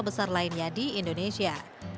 besar lainnya di indonesia